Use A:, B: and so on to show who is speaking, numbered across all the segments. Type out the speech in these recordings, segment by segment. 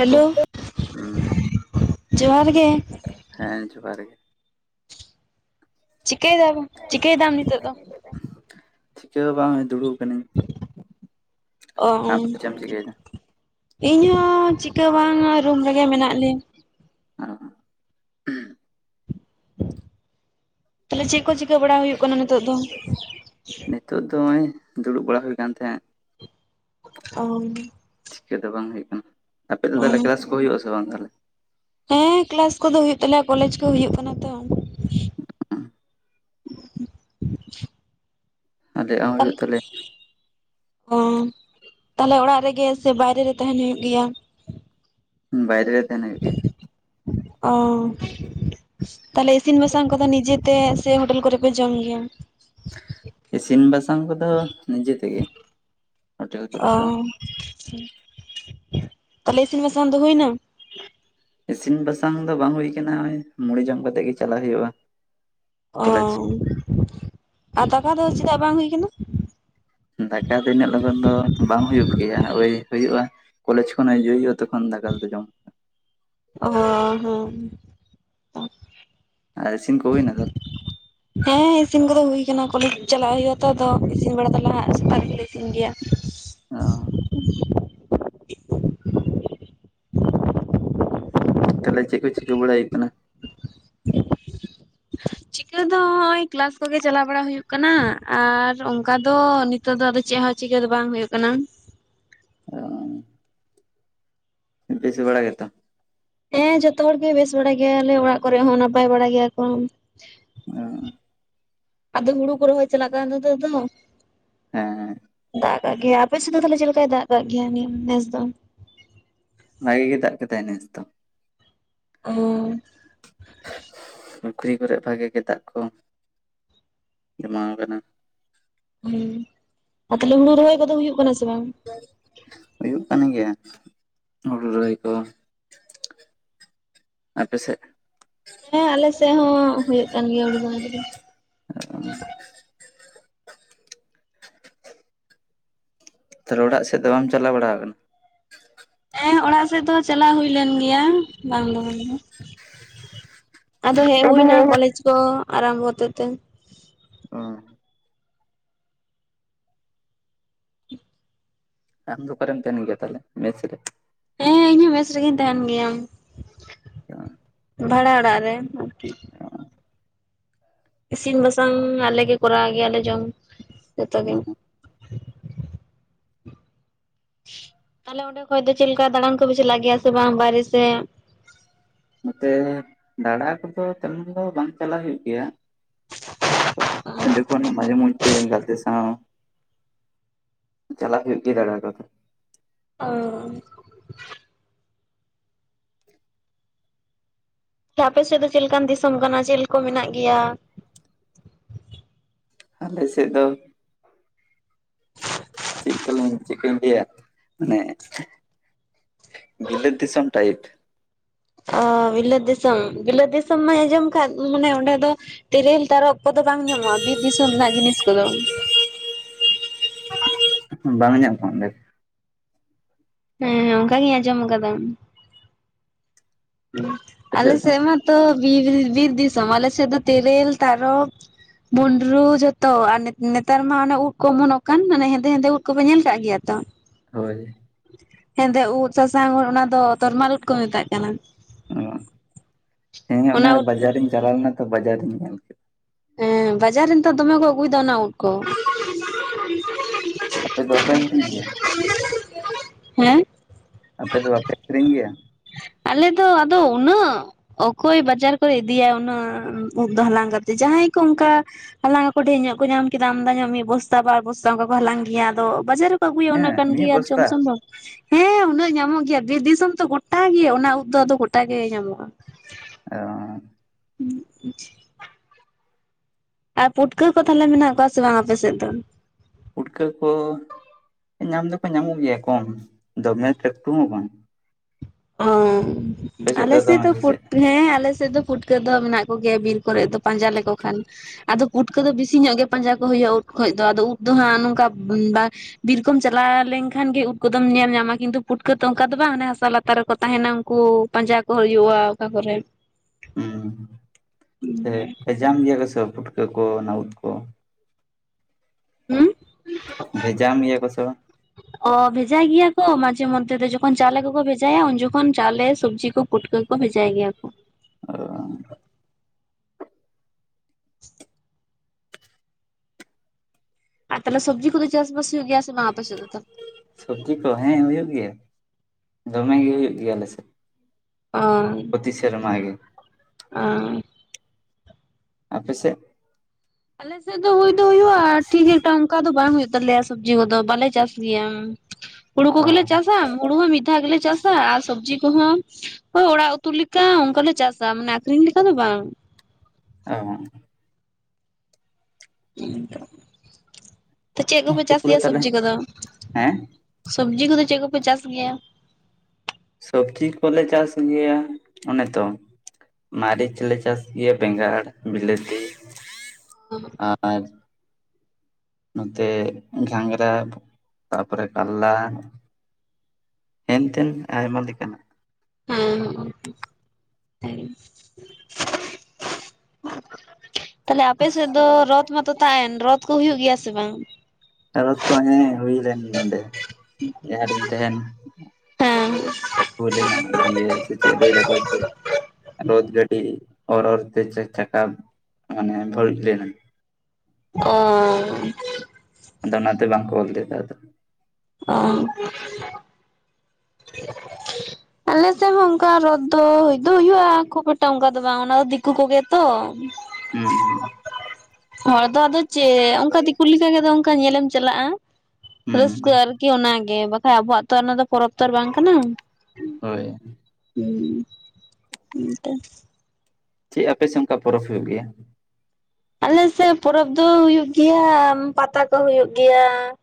A: Hello
B: ᱦᱩᱸ
A: ᱡᱚᱦᱟᱨ ᱜᱮ ᱾
B: ᱦᱮᱸ ᱡᱚᱦᱟᱨ ᱜᱮ ᱾
A: ᱪᱤᱠᱟᱹᱭ [inaudible] ᱫᱟᱢ ᱱᱤᱛᱚᱜ ᱫᱚ
B: ᱪᱤᱠᱟᱹ ᱦᱚᱸ ᱵᱟᱝ ᱫᱩᱲᱩᱵ ᱠᱟᱱᱟᱹᱧ᱾
A: ᱚ ᱚᱝ ᱤᱧ ᱦᱚᱸ ᱪᱤᱠᱟᱹ ᱵᱟᱝ ᱨᱩᱢ ᱨᱮᱜᱮ ᱢᱮᱱᱟᱜ ᱞᱤᱧ᱾
B: [unintelligible]
A: ᱛᱟᱞᱚᱦᱮ ᱪᱮᱫ ᱠᱚ ᱪᱤᱠᱟᱹ ᱵᱟᱲᱟ ᱦᱩᱭᱩᱜ ᱠᱟᱱᱟ ᱱᱤᱛᱚᱜ ᱫᱚ?
B: ᱱᱤᱛᱳᱜ ᱫᱚ ᱚᱜᱼᱚᱭ ᱫᱩᱲᱩᱵ ᱵᱟᱲᱟ ᱦᱩᱭ ᱠᱟᱱ ᱛᱟᱦᱮᱸᱫ ᱾
A: [unintelligible]
B: ᱪᱤᱠᱟᱹ ᱫᱚ ᱵᱟᱝ ᱦᱩᱭᱩᱜ ᱠᱟᱱᱟ᱾ ᱟᱯᱮ ᱫᱚ ᱛᱟᱦᱚᱞᱮ ᱠᱮᱞᱟᱥ ᱠᱚ ᱦᱩᱭᱩᱜᱼᱟ ᱥᱮ ᱵᱟᱝ ᱛᱟᱦᱚᱞᱮ?
A: ᱦᱮᱸ ᱠᱮᱞᱟᱥ ᱠᱚᱫᱚ ᱦᱩᱭᱩᱜ ᱛᱟᱞᱮᱭᱟ ᱠᱚᱞᱮᱡ ᱠᱚ ᱦᱩᱭᱩᱜ ᱠᱟᱱᱟ ᱛᱚ ᱾
B: [unintelligible] ᱟᱞᱮᱭᱟᱜ ᱦᱚᱸ ᱦᱩᱭᱩᱜ ᱛᱟᱞᱮᱭᱟ
A: [unintelligible] ᱚ ᱛᱟᱦᱚᱞᱮ ᱚᱲᱟᱜ ᱨᱮᱜᱮ ᱥᱮ ᱵᱟᱭᱨᱮ ᱨᱮ ᱛᱟᱦᱮᱱ ᱦᱩᱭᱩᱜ ᱜᱮᱭᱟ?
B: ᱵᱟᱭᱨᱮ ᱨᱮ ᱛᱟᱦᱮᱱ ᱦᱩᱭᱩᱜ ᱜᱮᱭᱟ᱾
A: ᱚ ᱛᱟᱦᱚᱞᱮ ᱤᱥᱤᱱ ᱵᱟᱥᱟᱝ ᱠᱚᱫᱚ ᱱᱤᱡᱮ ᱛᱮ ᱥᱮ ᱦᱳᱴᱮᱞ ᱠᱚᱨᱮ ᱯᱮ ᱡᱚᱢ ᱜᱮᱭᱟ?
B: ᱤᱥᱤᱱ ᱵᱟᱥᱟᱝ ᱠᱚᱫᱚ ᱱᱤᱡᱮ ᱛᱮᱜᱮ ᱦᱳᱴᱮᱞ ᱠᱚᱨᱮ ᱫᱚ
A: ᱛᱟᱦᱚᱞᱮ ᱤᱥᱤᱱ ᱵᱟᱥᱟᱝ ᱫᱚ ᱦᱩᱭᱱᱟ?
B: ᱤᱥᱤᱱ ᱵᱟᱥᱟᱝ ᱫᱚ ᱵᱟᱝ ᱦᱩᱭ ᱠᱟᱱᱟ ᱱᱚᱜᱼᱚᱭ ᱢᱩᱲᱤ ᱡᱚᱢ ᱠᱟᱛᱮᱜ ᱜᱮ ᱪᱟᱞᱟᱜ ᱦᱩᱭᱩᱜᱼᱟ᱾
A: ᱚ
B: ᱠᱚᱞᱮᱡᱽ
A: ᱟᱨ ᱫᱟᱠᱟ ᱫᱚ ᱪᱮᱫᱟᱜ ᱵᱟᱝ ᱦᱩᱭ ᱠᱟᱱᱟ?
B: ᱫᱟᱠᱟ ᱫᱚ ᱤᱱᱟᱹᱜ ᱞᱚᱜᱚᱱ ᱫᱚ ᱵᱟᱝ ᱦᱩᱭᱩᱜ ᱜᱮᱭᱟ ᱳᱭ ᱦᱩᱭᱩᱜᱼᱟ ᱠᱚᱞᱮᱡ ᱠᱷᱚᱱ ᱦᱤᱡᱩᱜ ᱦᱩᱭᱩᱜᱼᱟ ᱛᱚᱠᱷᱚᱱ ᱫᱟᱠᱟ ᱫᱚ ᱡᱚᱢ᱾
A: ᱚ ᱦᱚᱸ ᱦᱩᱸ ᱦᱩᱸ
B: ᱟᱨ ᱤᱥᱤᱱ ᱠᱚ ᱦᱳᱭᱱᱟ ᱛᱟᱦᱚᱞᱮ?
A: ᱦᱮᱸ ᱤᱥᱤᱱ ᱠᱚᱫᱚ ᱦᱩᱭ ᱠᱟᱱᱟ ᱠᱚᱞᱮᱡ ᱪᱟᱞᱟᱜ ᱦᱩᱭᱩᱜ ᱟ ᱛᱚ ᱟᱫᱚ ᱤᱥᱤᱱ ᱵᱟᱲᱟ ᱫᱚᱞᱮ ᱥᱮᱛᱟᱜ ᱜᱮᱞᱮ ᱤᱥᱤᱱ ᱜᱮᱭᱟ᱾
B: ᱚᱻ
A: [unintelligible]
B: ᱛᱟᱦᱚᱞᱮ ᱪᱮᱫ ᱠᱚ ᱪᱤᱠᱟᱹ ᱵᱟᱲᱟᱭ ᱦᱩᱭᱩᱜ ᱠᱟᱱᱟ?
A: ᱪᱤᱠᱟᱹ ᱫᱚ ᱱᱚᱜᱚᱭ ᱠᱮᱞᱟᱥ ᱠᱚᱜᱮ ᱪᱟᱞᱟᱣ ᱵᱟᱲᱟ ᱦᱩᱭᱩᱜ ᱠᱟᱱᱟ ᱟᱨ ᱚᱱᱠᱟ ᱫᱚ ᱱᱮᱛᱳᱜ ᱫᱚ ᱟᱫᱚ ᱪᱮᱫ ᱦᱚᱸ ᱪᱤᱠᱟᱹ ᱫᱚ ᱵᱟᱝ ᱦᱚᱭᱳᱜ ᱠᱟᱱᱟ᱾
B: ᱵᱮᱥ ᱵᱟᱲᱟ ᱜᱮᱛᱚ ᱾
A: ᱦᱮᱸ ᱡᱚᱛᱚ ᱦᱚᱲᱜᱮ ᱵᱮᱥ ᱵᱟᱲᱟ ᱜᱮᱭᱟᱞᱮ ᱚᱲᱟᱜ ᱠᱚᱨᱮᱜ ᱦᱚᱸ ᱱᱟᱯᱟᱭ ᱵᱟᱲᱟ ᱜᱮᱭᱟ ᱠᱚ᱾ ᱟᱫᱚ ᱦᱩᱲᱩ ᱠᱚ ᱨᱚᱦᱚᱭ ᱪᱟᱞᱟᱜ ᱠᱟᱱᱟ ᱱᱤᱛᱚᱜ ᱫᱚ᱾
B: ᱦᱮᱸᱻ
A: ᱫᱟᱜ ᱠᱟᱜ ᱜᱮᱭᱟ ᱟᱯᱮ ᱥᱮᱫ ᱫᱚ ᱛᱟᱦᱚᱞᱮ ᱪᱮᱫ ᱞᱮᱠᱟᱭ ᱫᱟᱜ ᱠᱟᱜ ᱜᱮᱭᱟ ᱱᱤᱭᱟᱹ ᱱᱮᱥ ᱫᱚ?
B: ᱵᱷᱟᱜᱮ ᱜᱮ ᱫᱟᱜ ᱠᱟᱫᱟᱭ ᱱᱮᱥ ᱫᱚ᱾
A: [inaudible]
B: ᱯᱩᱠᱷᱨᱤ ᱠᱚᱨᱮ ᱵᱷᱟᱜᱮ ᱜᱮ ᱫᱟᱜ ᱠᱚ ᱡᱚᱢᱟᱣ ᱠᱟᱱᱟ᱾
A: ᱦᱩᱸ ᱟᱨ ᱛᱟᱦᱚᱞᱮ ᱦᱩᱲᱩ ᱨᱚᱦᱚᱭ ᱠᱚᱫᱚ ᱦᱩᱭᱩᱜ ᱠᱟᱱᱟ ᱥᱮ ᱵᱟᱝ?
B: ᱦᱩᱭᱩᱜ ᱠᱟᱱ ᱜᱮᱭᱟ ᱦᱩᱲᱩ ᱨᱚᱦᱚᱭ ᱠᱚ ᱾ ᱟᱯᱮ ᱥᱮᱫ
A: ᱦᱮᱸ ᱟᱞᱮ ᱥᱮᱫ ᱦᱚᱸ ᱦᱩᱭᱩᱜ ᱠᱟᱱ ᱜᱮᱭᱟ ᱦᱩᱲᱩ ᱨᱚᱦᱚᱭ ᱠᱚᱫᱚ᱾
B: [unintelligible] ᱛᱟᱦᱞᱮ ᱚᱲᱟᱜ ᱥᱮᱫ ᱫᱚ ᱵᱟᱢ ᱪᱟᱞᱟᱣ ᱵᱟᱲᱟ ᱠᱟᱱᱟ?
A: ᱦᱮᱸ ᱚᱲᱟᱜ ᱥᱮᱫ ᱫᱚ ᱪᱟᱞᱟᱣ ᱦᱩᱭ ᱞᱮᱱ ᱜᱮᱭᱟ ᱵᱟᱝ ᱫᱚ ᱵᱟᱝ ᱜᱮ᱾ ᱟᱫᱚ ᱦᱮᱡ ᱦᱩᱭ ᱱᱟ ᱠᱚᱞᱮᱡ ᱠᱚ ᱟᱨᱟᱢᱚᱵᱚ ᱦᱚᱛᱮ ᱛᱮ᱾
B: ᱚ᱾ ᱟᱢ ᱫᱚ ᱚᱠᱟᱨᱮᱢ ᱛᱟᱦᱮᱱ ᱜᱮ ᱛᱟᱦᱞᱮ ᱢᱮᱥ ᱨᱮ?
A: ᱦᱮᱸ ᱤᱧ ᱦᱚᱸ ᱢᱮᱥ ᱨᱮᱜᱮ ᱛᱟᱦᱮᱸᱱ ᱜᱮᱭᱟ᱾ ᱵᱷᱟᱲᱟ ᱚᱲᱟᱜ ᱨᱮ ᱟᱨᱠᱤ᱾ ᱤᱥᱤᱱ ᱵᱟᱥᱟᱝ ᱟᱞᱮ ᱜᱮ ᱠᱚᱨᱟᱣ ᱜᱮᱭᱟᱞᱮ ᱡᱚᱢ ᱡᱚᱛᱚ ᱜᱮ᱾ ᱛᱟᱦᱞᱮ ᱚᱸᱰᱮ ᱠᱷᱚᱡ ᱫᱚ ᱪᱮᱫᱠᱟ ᱫᱟᱬᱟᱱ ᱠᱚᱯᱮ ᱪᱟᱞᱟᱜ ᱜᱮᱭᱟ ᱥᱮ ᱵᱟᱝ ᱵᱟᱭᱨᱮ ᱥᱮᱜ?
B: ᱱᱚᱛᱮ ᱫᱟᱲᱟ ᱠᱚᱫᱚ ᱛᱮᱢᱚᱱ ᱫᱚ ᱵᱟᱝ ᱪᱟᱞᱟᱜ ᱦᱩᱭᱩᱜ ᱜᱮᱭᱟ᱾ ᱡᱮᱠᱷᱚᱱ ᱢᱟᱡᱮ ᱢᱩᱫᱫᱷᱮ ᱜᱟᱛᱮ ᱥᱟᱶ ᱪᱟᱞᱟᱜ ᱦᱩᱭᱩᱜ ᱜᱮᱭᱟ ᱫᱟᱲᱟ ᱫᱚ᱾
A: ᱚ᱾ ᱟᱯᱮ ᱥᱮᱫ ᱫᱚ ᱪᱮᱫ ᱞᱮᱠᱟᱱ ᱫᱤᱥᱚᱢ ᱠᱟᱱᱟ ᱪᱮᱫ ᱠᱚ ᱢᱮᱱᱟᱜ ᱜᱮᱭᱟ?
B: ᱟᱞᱮᱥᱮᱫ ᱫᱚ ᱪᱮᱫ ᱠᱟᱹᱞᱤᱧ ᱪᱮᱫ ᱠᱚ ᱞᱮᱭᱟ ᱢᱟᱱᱮ ᱵᱤᱞᱟ. ᱛ ᱫᱤᱥᱚᱢ ᱴᱟᱭᱤᱯ᱾
A: ᱚ ᱵᱤᱞᱟᱹᱛ ᱫᱤᱥᱚᱢ ᱵᱤᱞᱟᱹ ᱫᱤᱥᱚᱢ ᱢᱟ ᱟᱸᱡᱚᱢ ᱠᱷᱟᱱ ᱢᱟᱱᱮ ᱚᱸᱰᱮ ᱫᱚ ᱛᱮᱨᱮᱞ ᱛᱟᱨᱚᱵ ᱠᱚᱫᱚ ᱵᱟᱝ ᱧᱟᱢᱚᱜᱼᱟ ᱵᱤᱨ ᱫᱤᱥᱚᱢ ᱨᱮᱱᱟᱜ ᱡᱤᱱᱤᱥ ᱠᱚᱫᱚ᱾
B: ᱵᱟᱝ ᱧᱟᱢᱚᱜᱼᱟ ᱚᱸᱰᱮ᱾
A: ᱦᱮᱸ ᱦᱮᱸ ᱚᱱᱠᱟᱟᱜᱮᱧ ᱟᱸᱡᱚᱢ ᱠᱟᱫᱟ᱾ ᱟᱞᱮ ᱥᱮᱫ ᱢᱟᱛᱚ ᱵᱤᱨ ᱵᱤᱨ ᱫᱤᱥᱚᱢ ᱟᱞᱮ ᱥᱮᱫ ᱫᱚ ᱛᱮᱨᱮᱞ, ᱛᱟᱨᱚᱵ ᱵᱩᱸᱰᱨᱩ ᱡᱷᱚᱛᱚ ᱟᱨ ᱱᱮᱛᱟᱨ ᱢᱟ ᱚᱱᱮ ᱩᱫᱽ ᱠᱚ ᱚᱢᱚᱱᱚᱜ ᱠᱟᱱ ᱢᱟᱱᱮ ᱦᱮᱸᱫᱮ ᱦᱮᱸᱫᱮ ᱩᱫᱽ ᱠᱚᱯᱮ ᱧᱮᱞ ᱠᱟᱜ ᱜᱮᱭᱟ ᱛᱚ?
B: ᱦᱳᱭ᱾
A: ᱦᱮᱸᱫᱮ ᱩᱫᱽ ᱥᱟᱥᱟᱝ ᱩᱫ ᱚᱱᱟ ᱫᱚ ᱛᱚᱨᱢᱟᱞ ᱩᱫᱽ ᱠᱚ ᱢᱮᱛᱟᱜ ᱠᱟᱱᱟ᱾
B: ᱚ ᱛᱮᱦᱮᱧᱚᱜ ᱚᱱᱟ ᱵᱟᱡᱟᱨᱤᱧ ᱪᱟᱞᱟᱣ ᱞᱮᱱᱟ ᱛᱚ ᱵᱟᱡᱟᱨᱤᱧ ᱧᱮᱞ ᱠᱮᱫᱟ᱾
A: ᱦᱮᱸ ᱵᱟᱡᱟᱨ ᱨᱮᱱ ᱱᱤᱛᱚ ᱫᱚᱢᱮ ᱠᱚ ᱟᱹᱜᱩᱭᱫᱟ ᱚᱱᱟ ᱩᱫᱽ ᱠᱚ᱾
B: ᱟᱯᱮ ᱫᱚ [unintelligible] ᱜᱮᱭᱟ᱾
A: ᱦᱮᱸ?
B: ᱟᱯᱮ ᱫᱚ ᱵᱟᱯᱮ ᱟᱹᱠᱷᱨᱤᱧ ᱜᱮᱭᱟ?
A: ᱟᱞᱮᱫᱚ ᱟᱫᱚ ᱩᱱᱟᱹᱜ ᱚᱠᱚᱭ ᱵᱟᱡᱟᱨ ᱠᱚᱭ ᱤᱫᱤᱭᱟ ᱩᱱᱟᱹᱜ ᱩᱫᱽ ᱫᱚ ᱦᱟᱞᱟᱝ ᱠᱟᱛᱮᱜ, ᱡᱟᱦᱟᱸᱭ ᱠᱚ ᱚᱝᱠᱟ ᱦᱟᱞᱟᱝ ᱟᱠᱚ ᱰᱷᱮᱨ ᱧᱚᱜ ᱠᱚ ᱧᱟᱢ ᱠᱮᱫᱟ ᱟᱢᱫᱟ ᱧᱚᱜ ᱢᱤᱫ ᱵᱚᱥᱛᱟ ᱵᱟᱨ ᱵᱚᱥᱛᱟ ᱚᱱᱠᱟ ᱠᱚ ᱦᱟᱞᱟᱝ ᱜᱮᱭᱟ ᱟᱫᱚ ᱵᱟᱡᱟᱨ ᱠᱚ ᱟᱹᱜᱩᱭᱟ ᱩᱱᱟᱹᱜ
B: ᱦᱮᱸ
A: ᱠᱟᱱ
B: ᱢᱤᱫ
A: ᱜᱮᱭᱟ ᱟᱨ ᱡᱚᱢ
B: ᱵᱚᱥᱛᱟ
A: ᱥᱚᱢᱚᱱ᱾ ᱦᱮᱸ ᱩᱱᱟᱹᱜ ᱧᱟᱢᱚᱜ ᱜᱮᱭᱟ, ᱵᱤᱨ ᱫᱤᱥᱚᱢ ᱛᱚ ᱜᱚᱴᱟ ᱜᱮ ᱚᱱᱟ ᱩᱫ ᱫᱚ ᱟᱫᱚ ᱜᱚᱴᱟ ᱜᱮ ᱧᱟᱢᱚᱜᱼᱟ᱾
B: ᱚ᱾
A: [inaudible] ᱟᱨ ᱯᱩᱴᱠᱟᱹ ᱠᱚ ᱛᱟᱦᱚᱞᱮ ᱢᱮᱱᱟᱜ ᱠᱚᱣᱟ ᱥᱮ ᱵᱟᱝ ᱟᱯᱮ ᱥᱮᱫ ᱫᱚ?
B: ᱯᱩᱴᱠᱟᱹ ᱠᱚ ᱧᱟᱢ ᱫᱚᱠᱚ ᱧᱟᱢᱚᱜ ᱜᱮᱭᱟ ᱠᱚᱢ, ᱫᱚᱢᱮ [unintelligible] ᱦᱚᱸ ᱠᱚᱢ᱾
A: ᱚᱝ
B: ᱟᱯᱮ
A: ᱟᱞᱮ ᱥᱮᱫ
B: ᱫᱚᱢᱮ
A: ᱫᱚ
B: ᱥᱮ ᱪᱮᱫ
A: ᱯᱩᱴᱸ ᱦᱮ ᱟᱞᱮᱥᱮᱫ ᱫᱚ ᱯᱩᱴ ᱠᱟᱹ ᱫᱚ ᱢᱮᱱᱟᱜ ᱠᱚᱜᱮᱭᱟ ᱵᱤᱨ ᱠᱚᱨᱮ ᱫᱚ ᱯᱟᱸᱡᱟ ᱞᱮᱠᱚ ᱠᱷᱟᱱ ᱟᱫᱚ ᱯᱩᱴᱠᱟᱹ ᱫᱚ ᱵᱮᱥᱤ ᱧᱚᱜ ᱜᱮ ᱯᱟᱸᱡᱟ ᱠᱚ ᱦᱩᱭᱩᱜᱼᱟ ᱩᱫᱽ ᱠᱷᱚᱡ ᱫᱚ ᱟᱫᱚ ᱩᱫᱽ ᱫᱚ ᱦᱟᱸᱜ ᱱᱚᱝᱠᱟ ᱵᱟᱝ ᱵᱤᱨ ᱠᱚᱢ ᱪᱟᱞᱟᱣ ᱞᱮᱱᱠᱷᱟᱱ ᱜᱮ ᱩᱫᱽ ᱠᱚᱫᱚᱢ ᱧᱮᱞ ᱧᱟᱢᱟ, ᱠᱤᱱᱛᱩ ᱯᱩᱴᱠᱟᱹᱛᱚ ᱚᱱᱠᱟ ᱫᱚ ᱵᱟᱝ ᱚᱱᱮ ᱦᱟᱥᱟ ᱞᱟ ᱛᱟᱨ ᱨᱮᱠᱚ ᱛᱟᱦᱮᱸᱱᱟ ᱩᱱᱠᱩ ᱯᱟᱸᱡᱟ ᱠᱚ ᱦᱩᱭᱩᱜᱼᱟ ᱚᱠᱟ ᱠᱚᱨᱮ᱾
B: ᱩᱸ ᱮ ᱮ ᱡᱟᱢ ᱜᱮᱭᱟ ᱠᱚᱥᱮ ᱯᱩᱴᱠᱟᱹ ᱠᱚ ᱚᱱᱟ ᱩᱫᱽ ᱠᱚ,
A: ᱦᱩᱸ?
B: ᱵᱷᱮᱡᱟᱢ ᱜᱮᱭᱟ ᱠᱚ ᱥᱮ ᱵᱟᱝ?
A: ᱦ [unintelligible] ᱚ ᱵᱷᱮᱡᱟᱭ ᱜᱮᱭᱟ ᱠᱚ ᱢᱟᱡᱷᱮ ᱢᱚᱫᱽᱫᱷᱮ ᱫᱚ, ᱡᱚᱠᱷᱚᱱ ᱪᱟᱣᱞᱮ ᱠᱚᱠᱚ ᱵᱷᱮᱡᱟᱭᱟ ᱩᱱ ᱡᱚᱠᱷᱚᱱ ᱪᱟᱣᱞᱮ, ᱥᱚᱵᱽᱡᱤ ᱠᱚ ᱯᱩᱴᱠᱟᱹ ᱠᱚ ᱵᱷᱮᱡᱟᱭ ᱜᱮᱭᱟ ᱠᱚ᱾
B: ᱚᱻ᱾
A: ᱟᱨ ᱛᱟᱦᱚᱞᱮ ᱥᱚᱵᱽᱡᱤ ᱠᱚᱫᱚ ᱪᱟᱥ ᱵᱟᱥ ᱦᱩᱭᱩᱜ ᱜᱮᱭᱟ ᱥᱮ ᱵᱟᱝ ᱟᱯᱮ ᱥᱮᱫ? [inaudible]
B: ᱥᱚᱵᱽᱡᱤ ᱠᱚ ᱦᱮᱸ ᱦᱩᱭᱩᱜ ᱜᱮᱭᱟ, ᱫᱚᱢᱮ ᱜᱮ ᱦᱩᱭᱩᱜ ᱜᱮᱭᱟ ᱟᱞᱮ ᱥᱮᱫ᱾
A: ᱚᱸᱻ᱾
B: ᱯᱚᱛᱤ ᱥᱮᱨᱢᱟ ᱜᱮ᱾
A: ᱟᱻ᱾
B: ᱟᱯᱮ ᱥᱮᱜ?
A: ᱟᱞᱮ ᱥᱮᱜ ᱫᱚ ᱦᱩᱭ ᱫᱚ ᱦᱳᱭᱳᱜᱼᱟ ᱴᱷᱤᱠ ᱮᱠᱴᱟᱝ ᱚᱝᱠᱟ ᱫᱚ ᱵᱟᱝ ᱦᱩᱭᱩᱜ ᱛᱟᱞᱮᱭᱟ ᱥᱚᱵᱽᱡᱤ ᱠᱚᱫᱚ ᱵᱟᱞᱮ ᱪᱟᱥ ᱜᱮᱭᱟ᱾ ᱦᱩᱲᱩ ᱠᱚ
B: ᱚ
A: ᱜᱮᱞᱮ ᱪᱟᱥᱟ, ᱦᱩᱲᱩ ᱦᱚᱸ ᱢᱤᱫ ᱫᱷᱟᱣ ᱜᱮᱞᱮ ᱪᱟᱥ᱾ ᱥᱟ ᱟᱨ ᱥᱚᱵᱽᱡᱤ ᱠᱚᱦᱚᱸ, ᱳᱭ ᱚᱲᱟᱜ ᱩᱛᱩ ᱞᱮᱠᱟ ᱚᱝᱠᱟᱞᱮ ᱪᱟᱥᱟ ᱢᱟᱱᱮ ᱟᱠᱷᱨᱤᱧ ᱞᱮᱠᱟ ᱫᱚ ᱵᱟᱝ᱾
B: [unintelligible]
A: [inaudible] ᱛᱚ ᱪᱮᱫ ᱠᱚᱯᱮ
B: ᱦᱩᱲᱩ
A: ᱪᱟᱥ
B: ᱠᱚᱫᱚ
A: ᱜᱮᱭᱟ
B: ᱛᱟᱦᱚᱞᱮ
A: ᱥᱚᱵᱽᱡᱤ ᱠᱚᱫᱚ?
B: ᱦᱮᱸ
A: ᱥᱚᱵᱽᱡᱤ ᱠᱚᱫᱚ ᱪᱮᱫ ᱠᱚᱯᱮ ᱪᱟᱥ ᱜᱮᱭᱟ?
B: ᱥᱚᱵᱽᱡᱤ ᱠᱚᱞᱮ ᱪᱟᱥ ᱜᱮᱭᱟ, ᱚᱱᱮ ᱛᱚ ᱢᱟᱨᱤᱪ ᱦᱚᱸ ᱞᱮ ᱪᱟᱥ ᱜᱮᱭᱟ ᱵᱮᱸᱜᱟᱲ, ᱵᱤᱞᱟᱹᱛᱤ᱾
A: ᱦᱚᱸ᱾
B: [inaudible] ᱱᱚᱛᱮ ᱜᱷᱟᱝᱜᱨᱟ, ᱛᱟᱯᱚᱨᱮ ᱠᱟᱨᱞᱞᱟ, ᱦᱮᱱ ᱛᱮᱱ ᱟᱭᱢᱟ ᱞᱮᱠᱟᱱᱟᱜ᱾
A: ᱦᱮᱸ ᱦᱚᱸᱜ-ᱚ᱾ ᱦᱮᱸ [inaudible] ᱛᱟᱦᱚᱞᱮ ᱟᱯᱮ ᱥᱮᱫ ᱫᱚ ᱨᱚᱛ ᱢᱟᱛᱚ ᱛᱟᱦᱮᱸᱱ, ᱨᱚᱛ ᱠᱚ ᱦᱩᱭᱩᱜ ᱜᱮᱭᱟ ᱥᱮ ᱵᱟᱝ?
B: ᱮᱸ ᱨᱚᱛ ᱠᱚ ᱦᱮᱸ ᱦᱩᱭ ᱞᱮᱱ ᱱᱚᱰᱮ, ᱡᱟᱦᱟᱸ ᱨᱤᱧ ᱛᱟᱦᱮᱸᱱ᱾
A: ᱦᱮᱸ
B: ᱦᱩᱭ ᱞᱮᱱᱟ ᱫᱤᱭᱮ ᱥᱮ ᱪᱮᱫ ᱞᱟᱹᱭᱫᱟ ᱠᱚ ᱡᱮ ᱨᱚᱛᱷ ᱜᱟᱹᱰᱤ ᱚᱨ ᱚᱨ ᱛᱮ ᱪᱟ ᱪᱟᱠᱟ ᱢᱟᱱᱮ ᱵᱷᱟᱹᱲᱩᱡ ᱞᱮᱱᱟ᱾
A: ᱚᱸ᱾
B: ᱟᱫᱚ ᱚᱱᱟᱛᱮ ᱵᱟᱝᱠᱚ -ᱚᱨ ᱞᱮᱫᱟ ᱟᱫᱚ᱾
A: ᱚᱸᱻ᱾ ᱟᱞᱮ ᱥᱮᱫ ᱦᱚᱸ ᱚᱝᱠᱟ ᱨᱚᱛ ᱫᱚ ᱦᱩᱭ ᱫᱚ ᱦᱩᱭᱩᱜᱼᱟ, ᱠᱷᱩᱵ ᱮᱠᱴᱟ ᱚᱝᱠᱟ ᱫᱚ ᱵᱟᱝ, ᱚᱱᱟ ᱫᱚ ᱫᱤᱠᱩ ᱠᱚᱜᱮ ᱛᱚ᱾
B: ᱦᱩᱸ᱾
A: ᱦᱚᱲ ᱫᱚ ᱟᱫᱚ ᱪᱮᱫ ᱚᱝᱠᱟ ᱫᱤᱠᱩ ᱞᱮᱠᱟ ᱜᱮ ᱟᱫᱚ ᱚᱝᱠᱟ ᱧᱮᱞᱮᱢ ᱪᱟᱞᱟᱜᱼᱟ ᱾
B: ᱦᱩᱸ
A: ᱨᱟᱹᱥᱠᱟᱹ ᱟᱨᱠᱤ ᱚᱱᱟᱜᱮ, ᱵᱟᱠᱷᱟᱡ ᱟᱵᱚᱣᱟᱜ ᱛᱚ ᱚᱱᱟ ᱫᱚ ᱯᱚᱨᱚᱵᱽ ᱛᱚ ᱟᱨ ᱵᱟᱝ ᱠᱟᱱᱟ ᱾
B: ᱦᱳᱭ᱾
A: ᱦᱩᱸ, ᱦᱮᱸ ᱛᱚ᱾
B: ᱪᱮᱫ ᱟᱯᱮ ᱥᱮᱫ ᱚᱝᱠᱟ ᱯᱚᱨᱚᱵᱽ ᱦᱩᱭᱩᱜ ᱜᱮᱭᱟ?
A: ᱟᱞᱮ ᱥᱮᱜ ᱯᱚᱨᱚᱵᱽ ᱫᱚ ᱦᱩᱭᱩᱜ ᱜᱮᱭᱟ ᱯᱟᱛᱟ ᱠᱚ ᱦᱩᱭᱩᱜ ᱜᱮᱭᱟ ᱾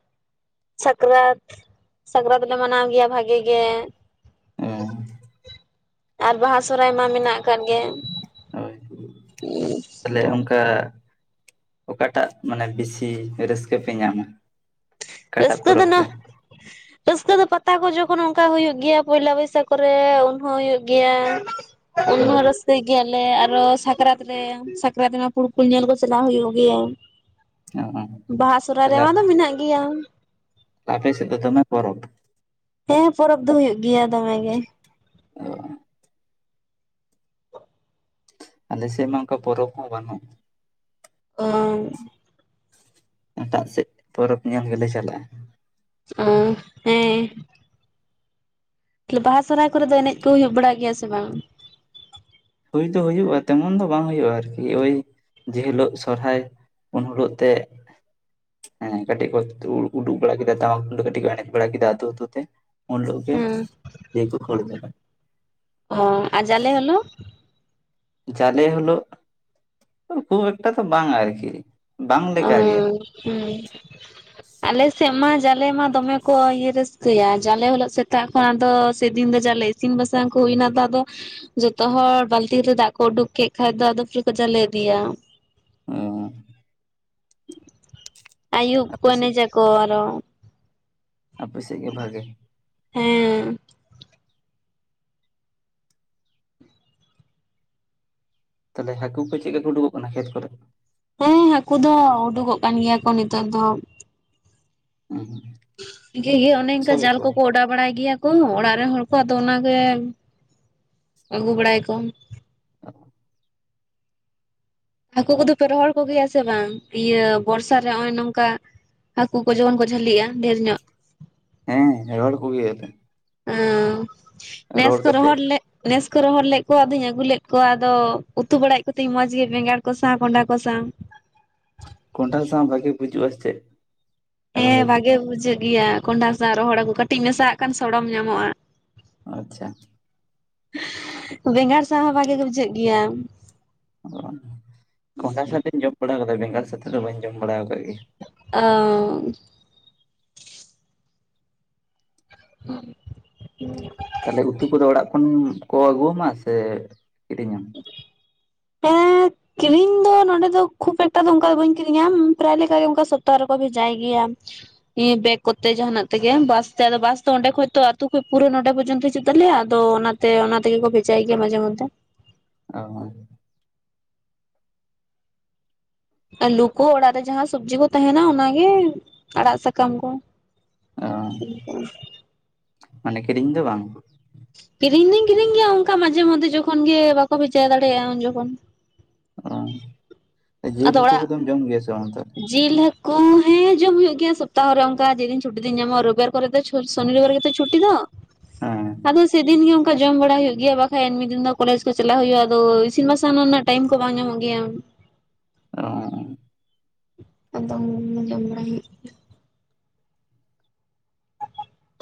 A: ᱥᱟᱠᱨᱟᱛ, ᱥᱟᱠᱨᱟᱛ ᱞᱮ ᱢᱟᱱᱟᱣ ᱜᱮᱭᱟ ᱵᱷᱟᱜᱮ ᱜᱮ ᱾
B: ᱦᱩᱸ᱾
A: ᱟᱨ ᱵᱟᱦᱟ, ᱥᱚᱦᱚᱨᱟᱭ ᱢᱟ ᱢᱮᱱᱟᱜ ᱟᱠᱟᱫ ᱜᱮ ᱾ [inaudible]
B: ᱛᱟᱦᱚᱞᱮ ᱚᱝᱠᱟ ᱚᱠᱟᱴᱟᱜ ᱢᱟᱱᱮ ᱵᱮᱥᱤ ᱨᱟᱹᱥᱠᱟᱹ ᱯᱮ ᱧᱟᱢᱟ? ᱚᱠᱟᱴᱟᱜ
A: ᱨᱟᱹᱥᱠᱟᱹ ᱫᱚ
B: ᱯᱚᱨᱚᱵᱽ
A: ᱱᱟ
B: ᱨᱮ?
A: ᱨᱟᱹᱥᱠᱟᱹ ᱫᱚ ᱯᱟᱛᱟ ᱠᱚ ᱡᱚᱠᱷᱚᱱ ᱚᱱᱠᱟ ᱦᱩᱭᱩᱜ ᱜᱮᱭᱟ, ᱯᱚᱭᱞᱟ ᱵᱚᱭᱥᱟᱠ ᱨᱮ ᱩᱱᱦᱚᱸ ᱦᱩᱭᱩᱜᱭ ᱜᱮᱭᱟ ᱾ ᱩᱱ ᱦᱚᱸ
B: ᱚ
A: ᱨᱟᱹᱥ ᱨᱟᱹᱥᱠᱟᱭ ᱜᱮᱭᱟᱞᱮ ᱟᱨᱚ ᱥᱟᱠᱨᱟᱛ ᱨᱮ ᱥᱟᱠᱨᱟᱛ ᱨᱮᱢᱟ ᱯᱷᱩᱲᱠᱩᱞ ᱧᱮᱞ ᱠᱚ ᱪᱟᱞᱟᱣ ᱦᱩᱭᱩᱜ ᱜᱮᱭᱟ ᱾
B: ᱚ
A: ᱵᱟᱦᱟ ᱥᱚᱨᱦᱟᱭ
B: ᱛᱟᱦᱚᱞᱮ
A: ᱨᱮᱢᱟ ᱫᱚ ᱢᱮᱱᱟᱜ ᱜᱮᱭᱟ ᱾
B: ᱟᱯᱮ ᱥᱮᱫ ᱫᱚ ᱫᱚᱢᱮ ᱯᱚᱨᱚᱵᱽ ᱾
A: ᱦᱮᱸ ᱯᱚᱨᱚᱵᱽ ᱫᱚ ᱦᱩᱭᱩᱜ ᱜᱮᱭᱟ ᱫᱚᱢᱮ ᱜᱮ ᱾
B: ᱚ ᱾ ᱟᱞᱮ ᱥᱮᱫ ᱢᱟ ᱚᱱᱠᱟ ᱯᱚᱨᱚᱵᱽ ᱦᱚᱸ ᱵᱟᱹᱱᱩᱜ ᱾
A: ᱚᱻ
B: ᱮᱴᱟᱜ ᱥᱮᱫ ᱯᱚᱨᱚᱵᱽ ᱧᱮᱞ ᱜᱮᱞᱮ ᱪᱟᱞᱟᱜᱼᱟ ᱾
A: ᱚ ᱦᱮᱸ ᱾ ᱛᱟᱦᱚᱞᱮ ᱵᱟᱦᱟ ᱥᱚᱨᱦᱟᱭ ᱠᱚᱨᱮ ᱫᱚ ᱮᱱᱮᱡ ᱠᱚ ᱦᱩᱭᱩᱜ ᱵᱟᱲᱟ ᱜᱮᱭᱟ ᱥᱮ ᱵᱟᱝ?
B: ᱦᱩᱭ ᱫᱚ ᱦᱩᱭᱩᱜᱼᱟ, ᱛᱮᱢᱚᱱ ᱫᱚ ᱵᱟᱝ ᱦᱩᱭᱩᱜᱼᱟ ᱟᱨᱠᱤ, ᱳᱭ ᱡᱮ ᱦᱤᱞᱳᱜ ᱥᱚᱨᱦᱟᱭ ᱩᱱ ᱦᱤᱞᱳᱜ ᱛᱮᱜ ᱦᱮᱸ ᱠᱟᱹᱴᱤᱡ ᱠᱚ ᱩ ᱩᱰᱩ ᱵᱟᱲᱟ ᱠᱮᱫᱟ ᱴᱟᱢᱟᱠ ᱛᱩᱢᱫᱟᱹᱜ ᱠᱟᱹᱴᱤᱡ ᱠᱚ ᱮᱱᱮᱡ ᱵᱟᱲᱟ ᱠᱮᱫᱟ ᱟᱹᱛᱩ ᱟᱹᱛᱩ ᱛᱮ ᱩᱱ ᱦᱤᱞᱳᱜ ᱜᱮ
A: ᱦᱮᱸ
B: ᱫᱤᱭᱮ ᱠᱚ ᱠᱷᱟᱹᱲ ᱠᱟᱫᱟ ᱾
A: ᱚ ᱟᱨ ᱡᱟᱞᱮ ᱦᱤᱞᱳᱜ?
B: ᱡᱟᱞᱮ ᱦᱤᱞᱳᱜ ᱠᱷᱩᱵᱽ ᱮᱠᱴᱟ ᱛᱚ ᱵᱟᱝ ᱟᱨᱠᱤ, ᱵᱟᱝ ᱞᱮᱠᱟ ᱜᱮ ᱾
A: ᱦᱩᱸ ᱾ ᱟᱞᱮ ᱥᱮᱫ ᱢᱟ ᱡᱟᱞᱮ ᱢᱟ ᱫᱚᱢᱮ ᱠᱚ ᱤᱭᱟᱹ ᱨᱟᱹᱥᱠᱟᱹᱭᱟ, ᱡᱟᱞᱮ ᱦᱤᱞᱳᱜ ᱥᱮᱛᱟᱜ ᱠᱷᱚᱱ ᱫᱚ ᱥᱮᱫᱤᱱ ᱫᱚ ᱡᱟᱞᱮ ᱤᱥᱤᱱ ᱵᱟᱥᱟᱝ ᱠᱚ ᱦᱩᱭᱱᱟ ᱛᱚ ᱟᱫᱚ ᱡᱚᱛᱚ ᱦᱚᱲ ᱵᱟᱹᱞᱛᱤ ᱨᱮ ᱫᱟᱜ ᱠᱚ ᱩᱰᱩᱠ ᱠᱮᱫ ᱠᱷᱟᱡ ᱫᱚ ᱟᱫᱚ ᱯᱩᱨᱟᱹ ᱠᱚ ᱡᱟᱞᱮ ᱤᱫᱤᱭᱟ ᱾
B: ᱚᱸᱻ
A: ᱟᱹᱭᱩᱵ ᱠᱚ
B: ᱟᱯᱮ ᱥᱮᱫ
A: ᱮᱱᱮᱡᱟᱠᱚ ᱟᱨᱚ ᱾
B: ᱟᱯᱮ ᱥᱮᱫ ᱜᱮ ᱵᱷᱟᱜᱮ ᱾
A: ᱦᱩᱸᱻ
B: ᱛᱟᱦᱚᱞᱮ ᱦᱟᱹᱠᱩ ᱠᱚ ᱪᱮᱫ ᱞᱮᱠᱟ ᱠᱚ ᱩᱰᱩᱠᱚᱜ ᱠᱟᱱᱟ ᱠᱷᱮᱛ ᱠᱚᱨᱮ?
A: ᱦᱮᱸ ᱦᱟᱹᱠᱩ ᱫᱚ ᱩᱰᱩᱠᱚᱜ ᱠᱟᱱ ᱜᱮᱭᱟ ᱠᱚ ᱱᱤᱛᱚᱜ ᱫᱚ ᱾
B: ᱦᱩᱸ [inaudible]
A: ᱡᱮᱦᱮ ᱚᱱᱮ ᱚᱱᱠᱟ ᱡᱟᱞ ᱠᱚᱠᱚ ᱚᱰᱟᱣ ᱵᱟᱲᱟᱭ ᱜᱮᱭᱟ ᱠᱚ ᱚᱲᱟᱜ ᱨᱮᱱ ᱦᱚᱲ ᱠᱚ ᱟᱫᱚ ᱚᱱᱟ ᱜᱮ ᱟᱹᱜᱩ ᱵᱟᱲᱟᱭᱟ ᱠᱚ ᱾
B: [inaudible]
A: ᱦᱟᱹᱠᱩ ᱠᱚᱫᱚ ᱯᱮ ᱨᱚᱦᱚᱲ ᱠᱚᱜᱮᱭᱟ ᱥᱮ ᱵᱟᱝ? ᱤᱭᱟᱹ ᱵᱚᱨᱥᱟ ᱨᱮ ᱱᱚᱜᱼᱚᱭ ᱱᱚᱝᱠᱟ ᱦᱟᱹᱠᱩ ᱠᱚ ᱡᱮᱢᱚᱱ ᱠᱚ ᱡᱷᱟᱹᱞᱤᱜᱼᱟ, ᱰᱷᱮᱨ ᱧᱚᱜ ᱾
B: ᱦᱮᱸ ᱦᱚᱦᱚᱲ ᱠᱚ ᱜᱮᱭᱟᱞᱮ ᱾
A: ᱚ, ᱱᱮᱥ ᱠᱚ ᱨᱚᱦᱚᱲ
B: ᱠᱟᱛᱮᱫ
A: ᱞᱮᱫ ᱱᱮᱥ ᱠᱚ ᱨᱚᱦᱚᱲ ᱞᱮᱫ ᱠᱚᱣᱟ, ᱟᱫᱚᱧ ᱟᱹᱜᱩ ᱞᱮᱫ ᱠᱚᱣᱟ ᱟᱫᱚ ᱩᱛᱩ ᱵᱟᱲᱟᱭᱮᱫ ᱠᱚᱛᱤᱧ ᱢᱚᱸᱡᱽ ᱜᱮ ᱵᱮᱸᱜᱟᱲ ᱠᱚ ᱥᱟᱶᱟ ᱠᱚᱸᱰᱷᱟ ᱠᱚ ᱥᱟᱶ [inaudible]
B: ᱠᱚᱸᱰᱷᱟ ᱥᱟᱶ ᱵᱷᱟᱜᱤ ᱵᱩᱡᱩᱜᱼᱟ ᱥᱮ ᱪᱮᱫ? ᱨᱚᱦᱚᱲ
A: ᱦᱮᱸ
B: ᱦᱟᱹᱠᱩ
A: ᱵᱷᱟᱜᱮ ᱵᱩᱡᱷᱟᱹᱜ ᱜᱮᱭᱟ ᱠᱟᱸᱰᱷᱟ ᱥᱟᱶ ᱨᱚᱦᱚᱲ ᱦᱟᱹᱠᱩ ᱠᱟᱹᱴᱤᱡ ᱢᱮᱥᱟᱣᱟᱜ ᱠᱷᱟᱱ ᱥᱚᱲᱚᱢ ᱧᱟᱢᱚᱜᱼᱟ ᱾
B: ᱟᱪᱪᱷᱟ ᱾
A: ᱵᱮᱸᱜᱟᱲ ᱥᱟᱶ ᱦᱚᱸ ᱵᱷᱟᱜᱮ ᱜᱮ ᱵᱩᱡᱷᱟᱹᱜ ᱜᱮᱭᱟ ᱾
B: ᱚ ᱠᱚᱸᱰᱷᱟ ᱥᱟᱛᱮᱧ ᱡᱚᱢ ᱵᱟᱲᱟ ᱠᱟᱫᱟ ᱵᱮᱸᱜᱟᱲ ᱥᱟᱛᱮ ᱫᱚ ᱵᱟᱹᱧ ᱡᱚᱢ ᱵᱟᱲᱟᱶ ᱠᱟᱜ ᱜᱮ ᱾
A: ᱚ [inaudible]
B: ᱛᱟᱦᱚᱞᱮ ᱩᱛᱩ ᱠᱚᱫᱚ ᱚᱲᱟᱜ ᱠᱷᱚᱱ ᱠᱚ ᱟᱹᱜᱩᱣᱟ ᱢᱟ ᱥᱮ ᱠᱤᱨᱤᱧ ᱟᱢ?
A: [inaudible] ᱦᱮᱸ ᱾ ᱠᱤᱨᱤᱧ ᱫᱚ ᱱᱚᱸᱰᱮ ᱫᱚ ᱠᱷᱩᱵ ᱮᱠᱴᱟ ᱫᱚ ᱚᱱᱠᱟ ᱫᱚ ᱵᱟᱹᱧ ᱠᱤᱨᱤᱧᱟ, ᱯᱨᱟᱭ ᱞᱮᱠᱟ ᱜᱮ ᱚᱱᱠᱟ ᱥᱚᱯᱛᱟ ᱨᱮᱠᱚ ᱵᱷᱮᱡᱟᱭ ᱜᱮᱭᱟ ᱾ ᱵᱮᱠ ᱠᱚᱛᱮ ᱡᱟᱦᱟᱱᱟᱜ ᱛᱮᱜᱮ ᱵᱟᱥ ᱛᱮ, ᱟᱫᱚ ᱵᱟᱥ ᱛᱚ ᱚᱸᱰᱮ ᱠᱷᱚᱡ ᱛᱚ ᱟᱹᱛᱩ ᱠᱷᱚᱡ ᱯᱩᱨᱟᱹ ᱱᱚᱰᱮ ᱯᱚᱨᱡᱚᱱᱛᱚ ᱦᱤᱡᱩᱜ - ᱛᱟᱞᱮᱭᱟ᱾ ᱟᱫᱚ ᱚᱱᱟ ᱛᱮ ᱚᱱᱟ ᱛᱮᱜᱮ ᱠᱚ ᱵᱷᱮᱡᱟᱭ ᱜᱮᱭᱟ ᱢᱟᱡᱷᱮ ᱢᱚᱫᱽᱷᱮ ᱾
B: ᱚ
A: ᱟᱞᱩ ᱠᱚ ᱚᱲᱟᱜ ᱨᱮ ᱡᱟᱦᱟᱸ ᱥᱚᱵᱽᱡᱤ ᱠᱚ ᱛᱟᱦᱮᱱᱟ ᱚᱱᱟ ᱜᱮ ᱟᱲᱟᱜ ᱥᱟᱠᱟᱢ ᱠᱚ ᱾
B: ᱚ
A: [inaudible]
B: ᱢᱟᱱᱮ ᱠᱤᱨᱤᱧ ᱫᱚ ᱵᱟᱝ ᱾
A: ᱠᱤᱨᱤᱧ ᱫᱩᱧ ᱠᱤᱨᱤᱧ ᱜᱮᱭᱟ, ᱚᱱᱠᱟ ᱢᱟᱡᱷᱮ ᱢᱚᱫᱽᱫᱷᱮ ᱡᱚᱠᱷᱚᱱ ᱜᱮ ᱵᱟᱠᱚ ᱵᱷᱮᱡᱟ ᱫᱟᱲᱮᱭᱟᱜᱼᱟ ᱩᱱ ᱡᱚᱠᱷᱚᱱ ᱾ [inaudible]
B: ᱡᱮᱞ
A: ᱟᱫᱚ
B: ᱩᱛᱩ
A: ᱚᱲᱟᱜ
B: ᱠᱚᱫᱚᱢ ᱡᱚᱢ ᱜᱮᱭᱟ ᱥᱮ ᱵᱟᱝ?
A: ᱡᱤᱞ ᱦᱟᱹᱠᱩ ᱦᱮᱸ ᱡᱚᱢ ᱦᱩᱭᱩᱜ ᱜᱮᱭᱟ ᱥᱚᱯᱛᱟ ᱦᱚᱨᱮ ᱚᱱᱠᱟ ᱡᱮᱫᱤᱱ ᱪᱷᱩᱴᱤ ᱫᱤᱱ ᱧᱟᱢᱚᱜᱼᱟ, ᱨᱚᱵᱤᱵᱟᱨ ᱠᱚᱨᱮ ᱫᱚ ᱥᱚᱱᱤ ᱨᱚᱵᱤᱵᱟᱨ ᱜᱮᱛᱚ ᱪᱷᱩᱴᱤ ᱫᱚ ᱾
B: ᱦᱮᱸ
A: ᱟᱫᱚ ᱥᱮᱫᱤᱱ ᱜᱮ ᱚᱱᱠᱟ ᱡᱚᱢ ᱵᱟᱲᱟ ᱦᱩᱭᱩᱜ ᱜᱮᱭᱟ ᱾ ᱵᱟᱠᱷᱟᱡ ᱮᱢᱱᱤ ᱫᱤᱱ ᱫᱚ ᱠᱚᱞᱮᱡᱽ ᱠᱚ ᱪᱟᱞᱟᱜ ᱦᱩᱭᱩᱜᱼᱟ, ᱟᱫᱚ ᱤᱥᱤᱱ ᱵᱟᱥᱟᱝ ᱱᱩᱱᱟᱹᱜ ᱴᱟᱭᱤᱢ ᱠᱚ ᱵᱟᱝ ᱧᱟᱢᱚᱜ ᱜᱮᱭᱟ ᱩᱱᱟᱹᱜ ᱾
B: ᱚ
A: ᱟᱫᱚ ᱡᱚᱢ ᱵᱟᱲᱟᱭ ᱦᱩᱭᱩᱜ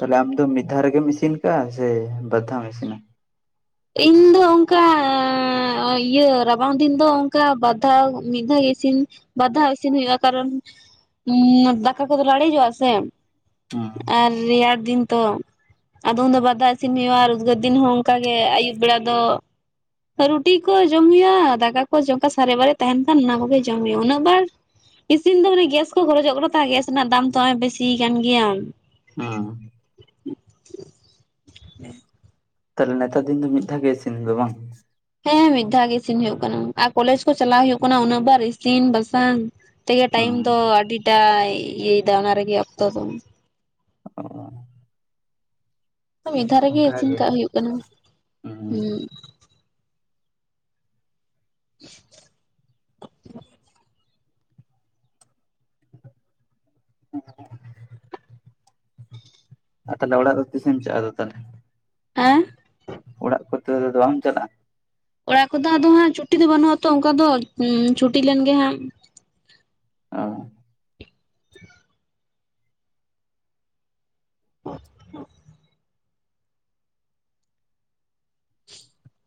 B: ᱛᱟᱦᱚᱞᱮ ᱟᱢ ᱫᱚ ᱢᱤᱫ ᱫᱷᱟᱣ ᱨᱮᱜᱮᱢ ᱤᱥᱤᱱ ᱟᱠᱟᱜᱼᱟ ᱥᱮ ᱵᱟᱨ ᱫᱷᱟᱣᱢ ᱤᱥᱤᱱᱟ?
A: ᱤᱧ ᱫᱚ ᱚᱱᱠᱟ ᱤᱭᱟᱹ ᱨᱟᱵᱟᱝ ᱫᱤᱱ ᱫᱚ ᱚᱱᱠᱟ ᱵᱟᱨ ᱫᱷᱟᱣ ᱢᱤᱫ ᱫᱷᱟᱣ ᱤᱥᱤᱱ ᱵᱟᱨ ᱫᱷᱟᱣ ᱤᱥᱤᱱ ᱦᱩᱭᱩᱜᱼᱟ, ᱠᱟᱨᱚᱱ ᱩᱸ ᱫᱟᱠᱟ ᱠᱚᱫᱚ ᱞᱟᱲᱮᱡᱚᱜᱼᱟ ᱥᱮ
B: ᱦᱩᱸ
A: ᱾ ᱟᱨ ᱨᱮᱭᱟᱲ ᱫᱤᱱ ᱛᱚ, ᱟᱫᱚ ᱩᱱ ᱫᱚ ᱵᱟᱨ ᱫᱷᱟᱣ ᱤᱥᱤᱱ ᱦᱩᱭᱩᱜᱼᱟ, ᱟᱨ ᱩᱫᱽᱜᱟᱹᱨ ᱫᱤᱱ ᱦᱚᱸ ᱚᱱᱠᱟ ᱜᱮ ᱟᱹᱭᱩᱵ ᱵᱮᱲᱟ ᱫᱚ ᱨᱩᱴᱤ ᱠᱚ ᱡᱚᱢ ᱦᱩᱭᱩᱜᱼᱟ, ᱫᱟᱠᱟ ᱠᱚ ᱚᱱᱠᱟ ᱥᱟᱨᱮᱜ ᱵᱟᱨᱮᱜ ᱛᱟᱦᱮᱱ ᱠᱷᱟᱱ, ᱚᱱᱟ ᱠᱚᱜᱮ ᱡᱚᱢ ᱦᱩᱭᱩᱜᱼᱟ ᱩᱱᱟᱹᱜ ᱵᱟᱨ ᱤᱥᱤᱱ ᱫᱚ ᱢᱟᱱᱮ ᱜᱮᱥ ᱠᱚ ᱠᱷᱚᱨᱚᱡᱚᱜ ᱠᱟᱱᱟ ᱛᱚ, ᱜᱮᱥ ᱨᱮᱱᱟᱜ ᱫᱟᱢ ᱛᱚ ᱱᱚᱜ-ᱚᱭ ᱵᱮᱥᱤ ᱠᱟᱱ ᱜᱮᱭᱟ ᱾
B: ᱦᱩᱸ ᱾ ᱛᱟᱦᱚᱞᱮ ᱱᱮᱛᱟᱨ ᱫᱤᱱ ᱫᱚ ᱢᱤᱫ ᱫᱷᱟᱣ ᱜᱮ ᱤᱥᱤᱱ ᱦᱳᱭᱳᱜᱼᱟ ᱵᱟᱝ?
A: ᱦᱮᱸ ᱢᱤᱫ ᱫᱷᱟᱣ ᱜᱮ ᱤᱥᱤᱱ ᱦᱳᱭᱳᱜ ᱠᱟᱱᱟ, ᱟᱨ ᱠᱚᱞᱮᱡᱽ ᱠᱚ ᱪᱟᱞᱟᱜ ᱦᱩᱭᱩᱜ ᱠᱟᱱᱟ ᱩᱱᱟᱹᱜ ᱵᱟᱨ ᱤᱥᱤᱱ ᱵᱟᱥᱟᱝ ᱛᱮᱜᱮ ᱴᱟᱭᱤᱢ
B: ᱦᱩᱸ
A: ᱫᱚ, ᱟᱹᱰᱤᱴᱟ ᱤᱭᱟᱹᱭ ᱫᱟ ᱚᱱᱟ ᱨᱮᱜᱮ ᱚᱠᱛᱚ ᱫᱚ ᱾
B: ᱚ
A: ᱢᱤᱫ ᱫᱷᱟᱣ ᱨᱮᱜᱮ ᱤᱥᱤᱱ
B: ᱜᱮ
A: ᱠᱟᱜ ᱦᱩᱭᱩᱜ ᱠᱟᱱᱟ ᱦᱩᱸ ᱾
B: ᱦᱩᱸ
A: [inaudible]
B: ᱟᱨ ᱛᱟᱦᱚᱞᱮ ᱚᱲᱟᱜ ᱫᱚ ᱛᱤᱥᱮᱢ ᱪᱟᱜᱼᱟ ᱟᱫᱟ ᱛᱟᱦᱚᱞᱮ
A: ᱦᱮᱸ ᱾
B: ᱚᱲᱟᱜ ᱠᱚᱛᱮ ᱫᱚ ᱟᱫᱚ ᱵᱟᱢ ᱪᱟᱞᱟᱜᱼᱟ ᱾
A: ᱚᱲᱟᱜ ᱠᱚᱫᱚ ᱟᱫᱚ ᱦᱟᱸᱜ ᱪᱷᱩᱴᱤ ᱫᱚ ᱵᱟᱹᱱᱩᱜᱼᱟ ᱛᱚ, ᱚᱱᱠᱟ ᱫᱚ ᱪᱷᱩᱴᱤ ᱞᱮᱱ ᱜᱮ ᱦᱟᱸᱜ ᱾
B: ᱚ
A: [inaudible] [inaudible]